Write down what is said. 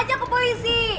jangan ke polisi